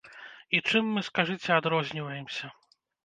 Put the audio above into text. І чым мы, скажыце, адрозніваемся?